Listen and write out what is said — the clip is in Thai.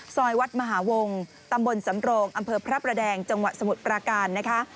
ซอยวัดมหาวงตำบลสำโรงอำเภอพระประแดงจังหวัดสมุทรปราการนะคะ